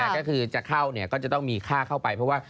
ก็คือจะเข้าก็จะต้องมีค่าเข้าไปเพราะว่า